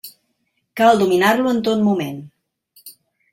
Cal dominar-lo en tot moment.